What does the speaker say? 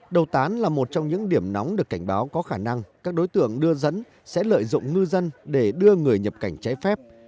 đầu tán là một trong những điểm nóng được cảnh báo có khả năng các đối tượng đưa dẫn sẽ lợi dụng ngư dân để đưa người nhập cảnh trái phép